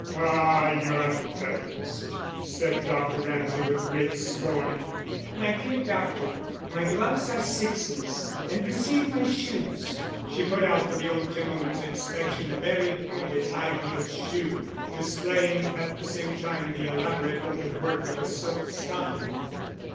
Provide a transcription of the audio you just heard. "Ah, you're a feminist," said Dr. Ramsay, with great scorn. "My dear doctor, my gloves are sixes, and perceive my shoes." She put out for the old gentleman's inspection a very pointed, high heeled shoe, displaying at the same time the elaborate open work of a silk stocking.